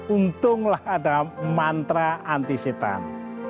untunglah ada mantra anti setan